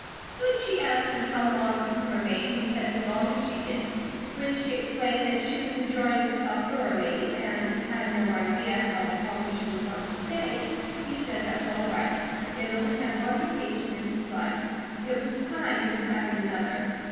When she asked him how long he could remain, he said as long as she did. When she explained that she was enjoying herself thoroughly and had no idea how long she would want to stay, he said that was all right; he had only had one vacation in his life; it was time he was having another.